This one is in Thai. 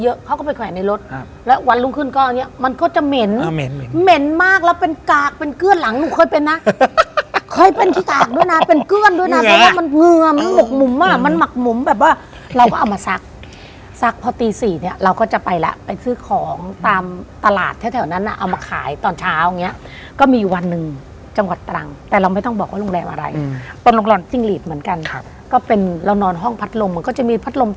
เยอะเขาก็ไปแขวนในรถแล้ววันลุงขึ้นก็อันนี้มันก็จะเหม็นเหม็นเหม็นมากแล้วเป็นกากเป็นเกื้อดหลังหนูค่อยเป็นนะค่อยเป็นที่กากด้วยนะเป็นเกื้อดด้วยนะเพราะว่ามันเหงื่อมันหมกหมุมมากมันหมักหมุมแบบว่าเราก็เอามาซักซักพอตีสี่เนี่ยเราก็จะไปละไปซื้อของตามตลาดแถวนั้นน่ะเอามาขายตอนเช้าอย่างเงี้ยก็ม